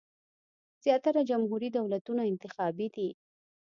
زیاتره جمهوري دولتونه انتخابي دي.